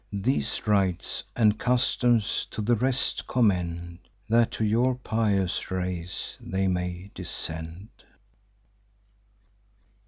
These rites and customs to the rest commend, That to your pious race they may descend.